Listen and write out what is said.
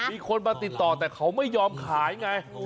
มีคนมาติดต่อแต่เขาไม่ยอมขายไง